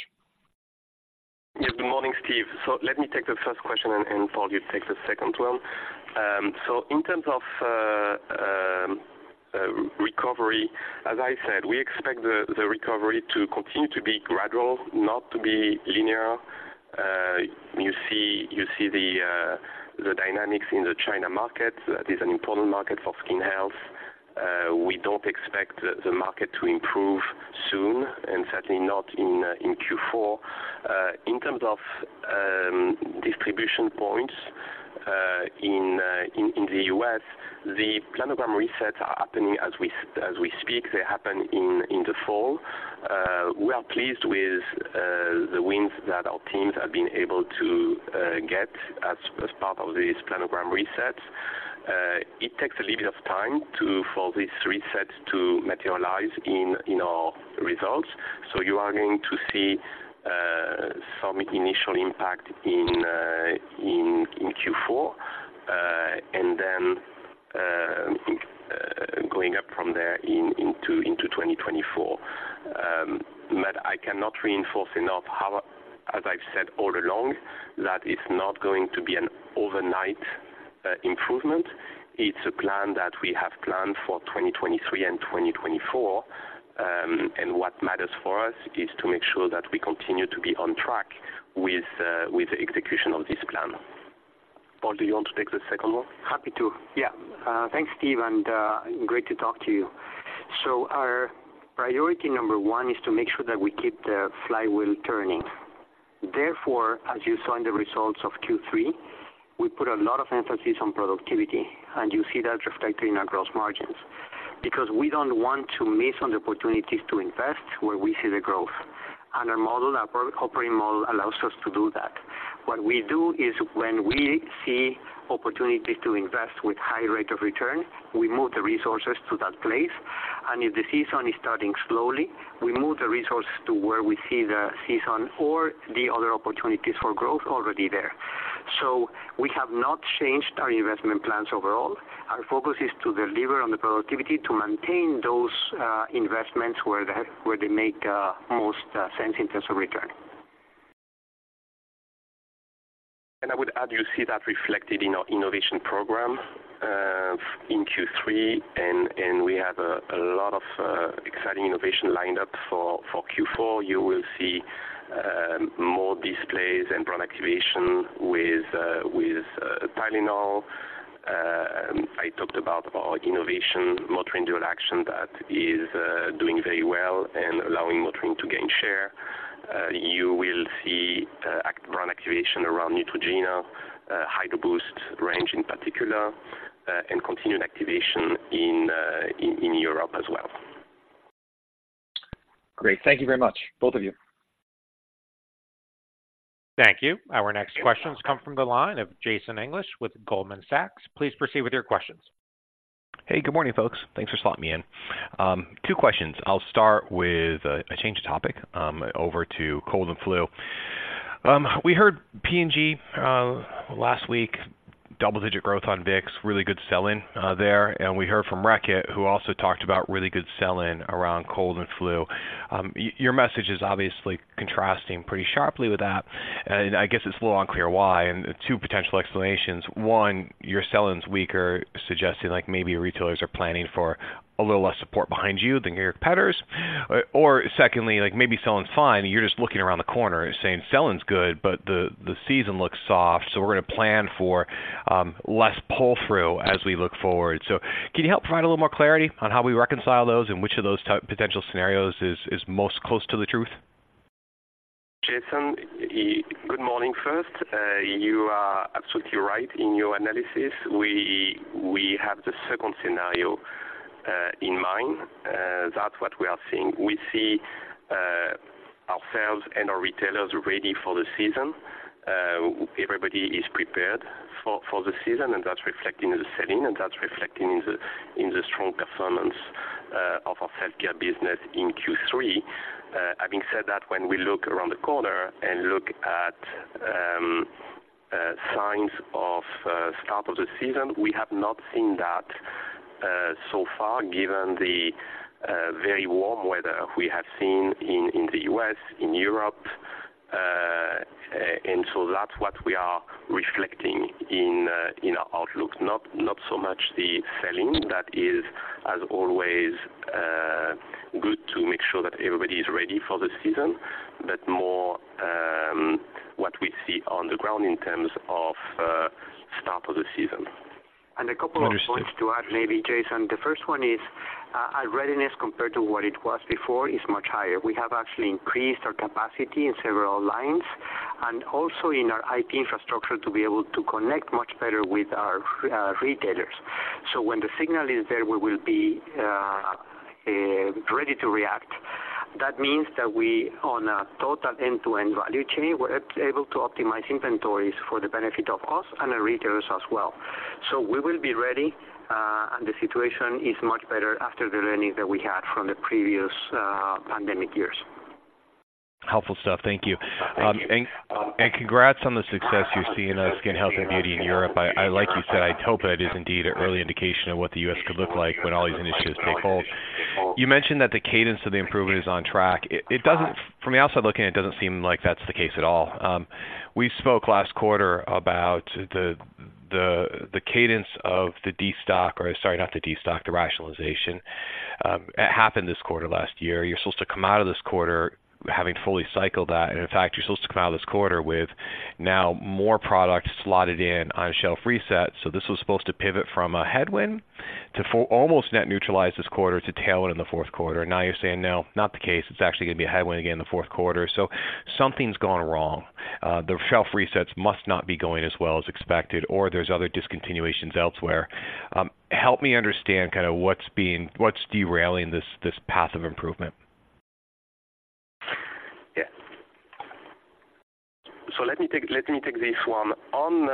Yes, good morning, Steve. So let me take the 1st question, and Paul, you take the 2nd one. So in terms of recovery, as I said, we expect the recovery to continue to be gradual, not to be linear. You see the dynamics in the China market. That is an important market for skin health. We don't expect the market to improve soon, and certainly not in Q4. In terms of distribution points, in the U.S., the planogram resets are happening as we speak. They happen in the fall. We are pleased with the wins that our teams have been able to get as part of these planogram resets. It takes a little bit of time for these resets to materialize in our results, so you are going to see some initial impact in Q4, and then going up from there into 2024. But I cannot reinforce enough how, as I've said all along, that it's not going to be an overnight improvement. It's a plan that we have planned for 2023 and 2024. And what matters for us is to make sure that we continue to be on track with the execution of this plan. Paul, do you want to take the 2nd one? Happy to. Yeah. Thanks, Steve, and great to talk to you. So our priority number one is to make sure that we keep the flywheel turning. Therefore, as you saw in the results of Q3, we put a lot of emphasis on productivity, and you see that reflected in our gross margins. Because we don't want to miss on the opportunities to invest where we see the growth, and our model, our operating model allows us to do that. What we do is when we see opportunities to invest with high rate of return, we move the resources to that place, and if the season is starting slowly, we move the resources to where we see the season or the other opportunities for growth already there. So we have not changed our investment plans overall. Our focus is to deliver on the productivity to maintain those investments where they make most sense in terms of return. I would add, you see that reflected in our innovation program in Q3, and we have a lot of exciting innovation lined up for Q4. You will see more displays and brand activation with Tylenol. I talked about our innovation, Motrin Dual Action, that is doing very well and allowing Motrin to gain share. You will see brand activation around Neutrogena, Hydro Boost range in particular, and continued activation in Europe as well. Great. Thank you very much, both of you. Thank you. Our next questions come from the line of Jason English with Goldman Sachs. Please proceed with your questions. Hey, good morning, folks. Thanks for slotting me in. Two questions. I'll start with a change of topic over to cold and flu. We heard P&G last week, double-digit growth on Vicks, really good sell-in there, and we heard from Reckitt, who also talked about really good sell-in around cold and flu. Your message is obviously contrasting pretty sharply with that, and I guess it's a little unclear why, and two potential explanations: one, your sell-in's weaker, suggesting, like, maybe your retailers are planning for a little less support behind you than your competitors, or 2ndly, like, maybe sell-in's fine, and you're just looking around the corner and saying, "Sell-in's good, but the season looks soft, so we're going to plan for less pull through as we look forward." So can you help provide a little more clarity on how we reconcile those and which of those potential scenarios is most close to the truth? Jason, good morning 1st. You are absolutely right in your analysis. We have the 2nd scenario in mind. That's what we are seeing. We see ourselves and our retailers ready for the season. Everybody is prepared for the season, and that's reflecting in the sell-in, and that's reflecting in the strong performance of our healthcare business in Q3. Having said that, when we look around the corner and look at signs of start of the season, we have not seen that so far, given the very warm weather we have seen in the US, in Europe. And so that's what we are reflecting in our outlook, not so much-... That is, as always, good to make sure that everybody is ready for the season, but more, what we see on the ground in terms of, start of the season. A couple of points to add, maybe, Jason. The 1st one is our readiness compared to what it was before is much higher. We have actually increased our capacity in several lines and also in our IT infrastructure to be able to connect much better with our retailers. So when the signal is there, we will be ready to react. That means that we, on a total end-to-end value chain, we're able to optimize inventories for the benefit of us and our retailers as well. So we will be ready, and the situation is much better after the learning that we had from the previous pandemic years. Helpful stuff. Thank you. Thank you. And congrats on the success you're seeing in Skin Health and Beauty in Europe. I, like you said, I hope that is indeed an early indication of what the U.S. could look like when all these initiatives take hold. You mentioned that the cadence of the improvement is on track. It doesn't, from the outside looking, it doesn't seem like that's the case at all. We spoke last quarter about the cadence of the destock, or sorry, not the destock, the rationalization. It happened this quarter last year. You're supposed to come out of this quarter having fully cycled that, and in fact, you're supposed to come out of this quarter with now more product slotted in on-shelf resets. So this was supposed to pivot from a headwind to for almost net neutralize this quarter to tailwind in the Q4. Now you're saying, "No, not the case. It's actually going to be a headwind again in the Q4." Something's gone wrong. The shelf resets must not be going as well as expected, or there's other discontinuations elsewhere. Help me understand kind of what's derailing this, this path of improvement? Yeah. So let me take this one. On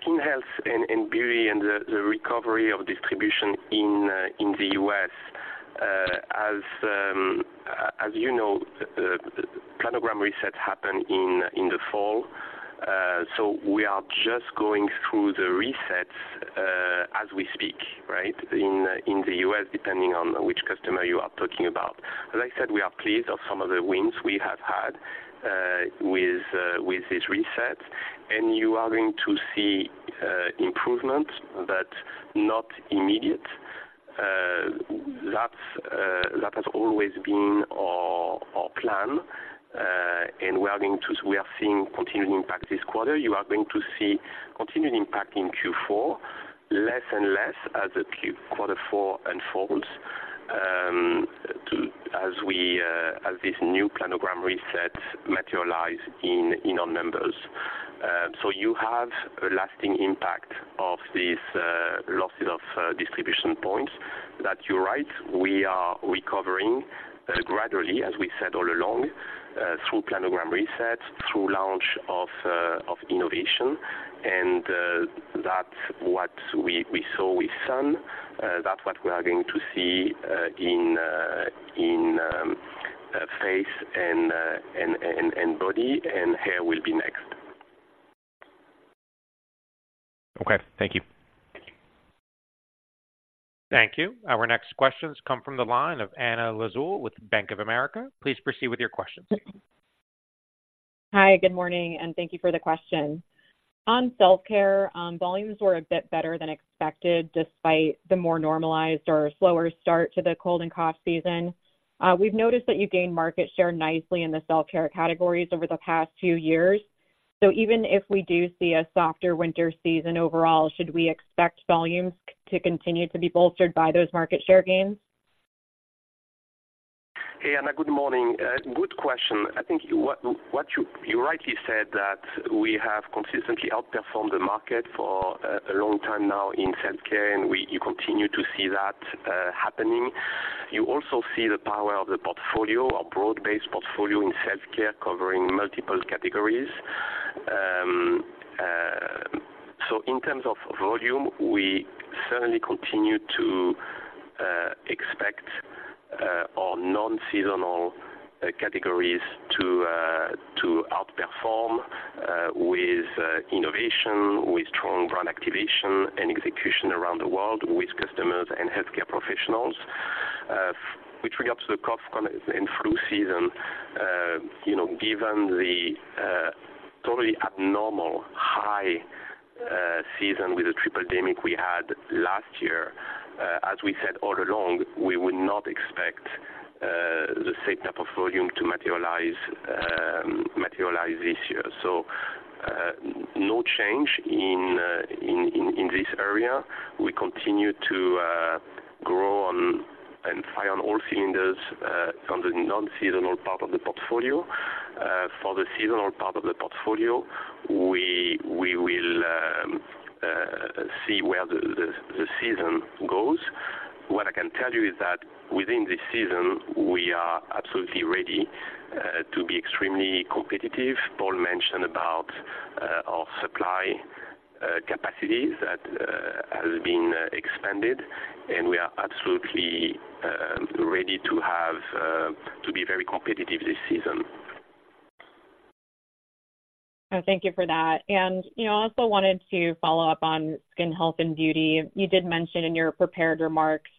Skin Health and Beauty and the recovery of distribution in the US, as you know, the Planogram resets happen in the fall. So we are just going through the resets as we speak, right? In the US, depending on which customer you are talking about. As I said, we are pleased of some of the wins we have had with this reset, and you are going to see improvement, but not immediate. That's that has always been our plan, and we are going to - we are seeing continued impact this quarter. You are going to see continued impact in Q4, less and less as quarter four unfolds, as we, as this new planogram reset materializes in our numbers. So you have a lasting impact of these losses of distribution points, that you're right, we are recovering gradually, as we said all along, through planogram resets, through launch of innovation, and that's what we saw with sun. That's what we are going to see in face and body, and hair will be next. Okay. Thank you. Thank you. Our next questions come from the line of Anna Lizzul with Bank of America. Please proceed with your questions. Hi, good morning, and thank you for the question. On self-care, volumes were a bit better than expected, despite the more normalized or slower start to the cold and cough season. We've noticed that you gained market share nicely in the self-care categories over the past two years. So even if we do see a softer winter season overall, should we expect volumes to continue to be bolstered by those market share gains? Hey, Anna, good morning. Good question. I think what you rightly said that we have consistently outperformed the market for a long time now in self-care, and you continue to see that happening. You also see the power of the portfolio, a broad-based portfolio in self-care, covering multiple categories. So in terms of volume, we certainly continue to expect our non-seasonal categories to outperform with innovation, with strong brand activation and execution around the world, with customers and healthcare professionals. With regards to the cough and flu season, you know, given the totally abnormal high season with the tripledemic we had last year, as we said all along, we would not expect the same type of volume to materialize this year. So, no change in this area. We continue to grow on and fire on all cylinders on the non-seasonal part of the portfolio. For the seasonal part of the portfolio, we will see where the season goes. What I can tell you is that within this season, we are absolutely ready to be extremely competitive. Paul mentioned about our supply capacity that has been expanded, and we are absolutely ready to have to be very competitive this season. Oh, thank you for that. And, you know, I also wanted to follow up on Skin Health and Beauty. You did mention in your prepared remarks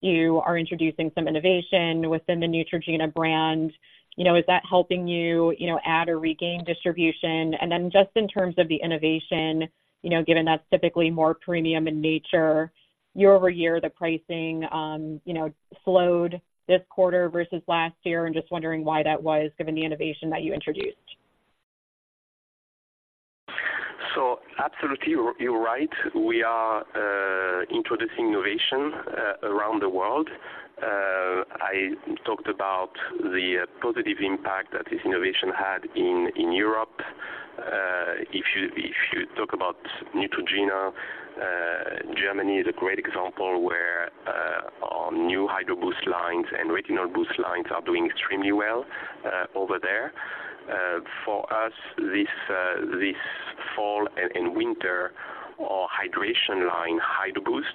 you are introducing some innovation within the Neutrogena brand. You know, is that helping you, you know, add or regain distribution? And then just in terms of the innovation, you know, given that's typically more premium in nature, year-over-year, the pricing, you know, slowed this quarter versus last year, and just wondering why that was given the innovation that you introduced. So absolutely, you're right. We are introducing innovation around the world. I talked about the positive impact that this innovation had in Europe. If you talk about Neutrogena, Germany is a great example where our new Hydro Boost lines and Retinol Boost lines are doing extremely well over there. For us, this fall and winter, our hydration line, Hydro Boost,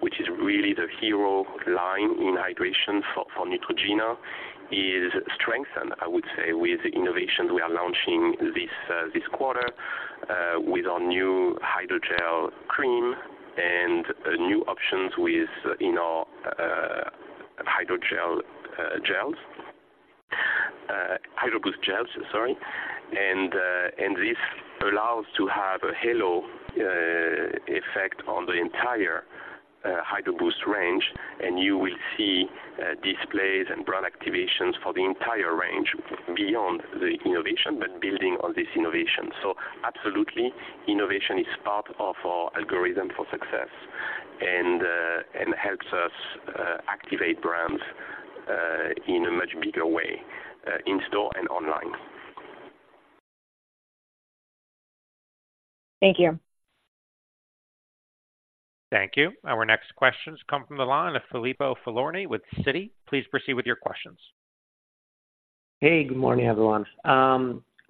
which is really the hero line in hydration for Neutrogena, is strengthened, I would say, with innovation we are launching this quarter, with our new hydrogel cream and new options with, you know, hydrogel gels, Hydro Boost gels, sorry. And this allows to have a halo effect on the entire Hydro Boost range, and you will see displays and brand activations for the entire range beyond the innovation, but building on this innovation. So absolutely, innovation is part of our algorithm for success and helps us activate brands in a much bigger way, in-store and online. Thank you. Thank you. Our next questions come from the line of Filippo Falorni with Citi. Please proceed with your questions. Hey, good morning, everyone.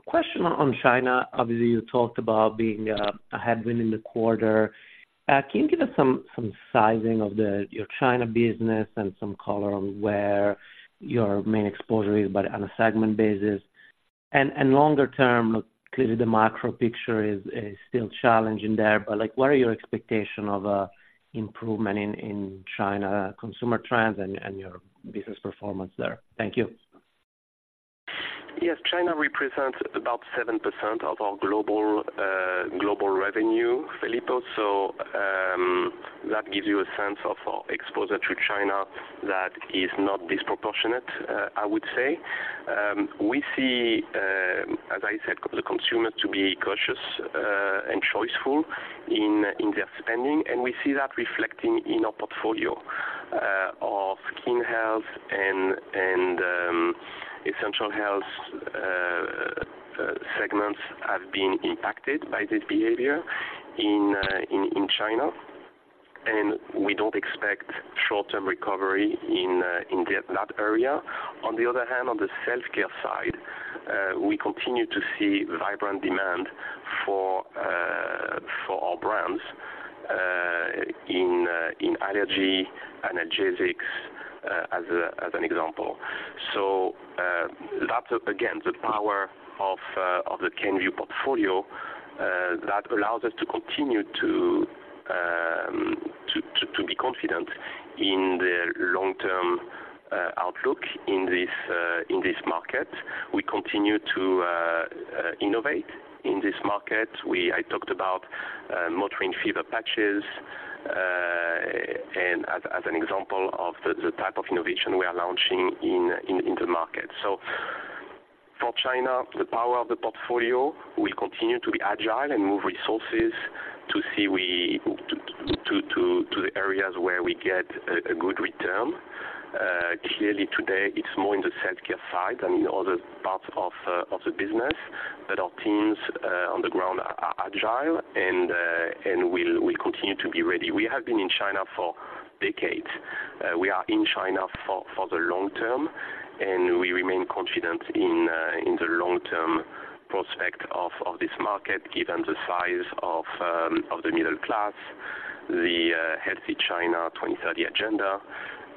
Question on China. Obviously, you talked about being a headwind in the quarter. Can you give us some sizing of your China business and some color on where your main exposure is, but on a segment basis? Longer term, clearly the macro picture is still challenging there, but like, what are your expectation of improvement in China consumer trends and your business performance there? Thank you. Yes, China represents about 7% of our global global revenue, Filippo. So, that gives you a sense of our exposure to China that is not disproportionate, I would say. We see, as I said, the consumer to be cautious and choiceful in their spending, and we see that reflecting in our portfolio of skin health and essential health segments have been impacted by this behavior in China, and we don't expect short-term recovery in that area. On the other hand, on the self-care side, we continue to see vibrant demand for our brands in allergy, analgesics, as an example. So, that's, again, the power of the Kenvue portfolio that allows us to continue to be confident in the long-term outlook in this market. We continue to innovate in this market. I talked about Motrin Fever Patches and as an example of the type of innovation we are launching in the market. So for China, the power of the portfolio, we continue to be agile and move resources to the areas where we get a good return. Clearly today, it's more in the self-care side than in other parts of the business, but our teams on the ground are agile and we'll continue to be ready. We have been in China for decades. We are in China for the long term, and we remain confident in the long-term prospect of this market, given the size of the middle class, the Healthy China 2030 agenda,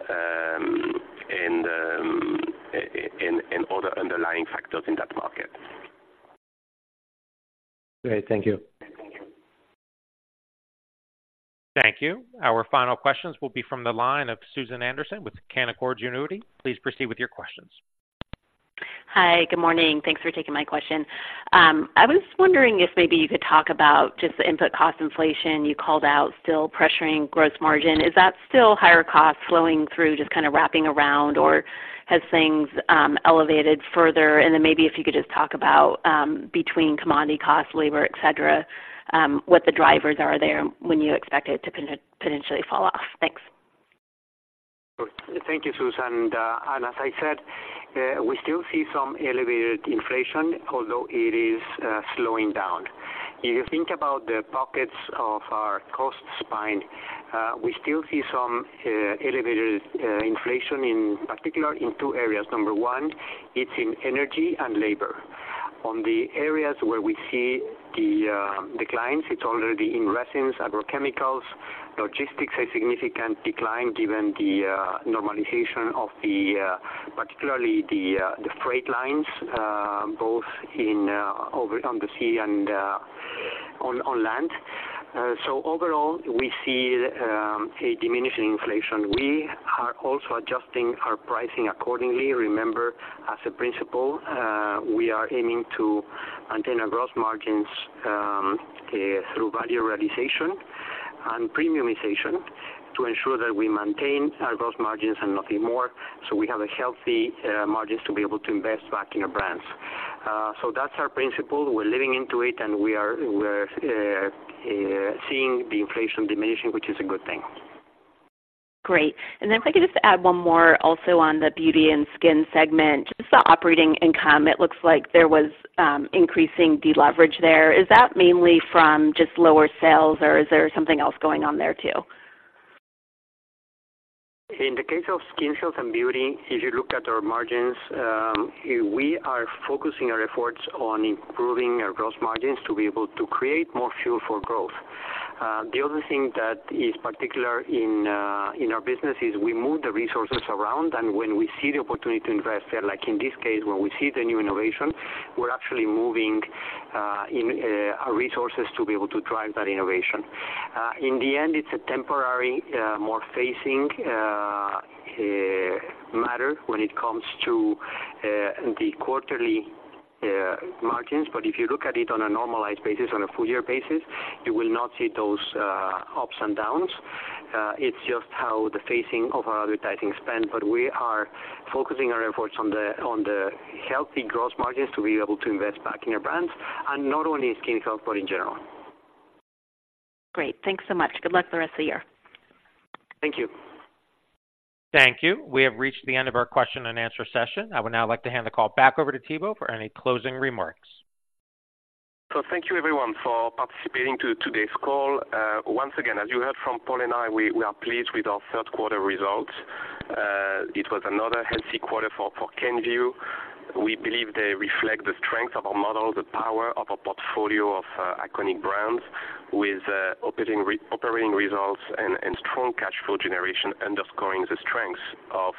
and other underlying factors in that market. Great. Thank you. Thank you. Our final questions will be from the line of Susan Anderson with Canaccord Genuity. Please proceed with your questions. Hi, good morning. Thanks for taking my question. I was wondering if maybe you could talk about just the input cost inflation you called out, still pressuring gross margin. Is that still higher costs flowing through, just kind of wrapping around, or has things elevated further? And then maybe if you could just talk about between commodity costs, labor, et cetera, what the drivers are there and when you expect it to potentially fall off. Thanks. Thank you, Susan. And as I said, we still see some elevated inflation, although it is slowing down. If you think about the pockets of our cost base, we still see some elevated inflation, in particular in two areas. Number one, it's in energy and labor. On the areas where we see the declines, it's already in resins, oleochemicals, logistics, a significant decline given the normalization of particularly the freight lines both over on the sea and on land. So overall, we see a diminishing inflation. We are also adjusting our pricing accordingly. Remember, as a principle, we are aiming to maintain our gross margins through Value Realization and premiumization to ensure that we maintain our gross margins and nothing more, so we have a healthy margins to be able to invest back in our brands. So that's our principle. We're living into it, and we're seeing the inflation diminishing, which is a good thing. Great. And then if I could just add one more also on the beauty and skin segment, just the operating income, it looks like there was increasing deleverage there. Is that mainly from just lower sales, or is there something else going on there, too? In the case of skin health and beauty, if you look at our margins, we are focusing our efforts on improving our gross margins to be able to create more fuel for growth. The other thing that is particular in our business is we move the resources around, and when we see the opportunity to invest there, like in this case, when we see the new innovation, we're actually moving our resources to be able to drive that innovation. In the end, it's a temporary more phasing matter when it comes to the quarterly margins. But if you look at it on a normalized basis, on a full year basis, you will not see those ups and downs. It's just how the phasing of our advertising spend, but we are focusing our efforts on the healthy gross margins to be able to invest back in our brands and not only skin health, but in general. Great. Thanks so much. Good luck the rest of the year. Thank you. Thank you. We have reached the end of our question-and-answer session. I would now like to hand the call back over to Thibaut for any closing remarks. So thank you everyone for participating to today's call. Once again, as you heard from Paul and I, we are pleased with our Q3 results. It was another healthy quarter for Kenvue. We believe they reflect the strength of our model, the power of our portfolio of iconic brands, with operating results and strong cash flow generation underscoring the strength of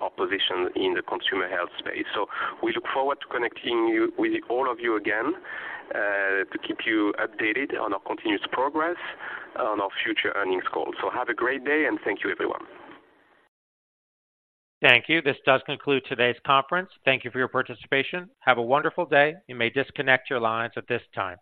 our position in the consumer health space. So we look forward to connecting you with all of you again to keep you updated on our continuous progress on our future earnings calls. So have a great day, and thank you, everyone. Thank you. This does conclude today's conference. Thank you for your participation. Have a wonderful day. You may disconnect your lines at this time.